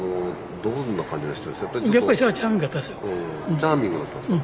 チャーミングだったんですか。